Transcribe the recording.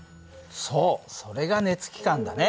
そうそれが熱機関だね。